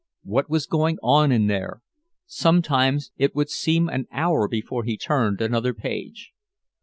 What was going on in there? Sometimes it would seem an hour before he turned another page.